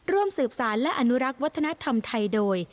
ร่วมสืบสารและอนุรักษ์วัฒนธรรมไทยโดย